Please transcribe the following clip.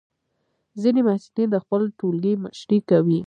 ځینې محصلین د خپل ټولګي مشري کوي.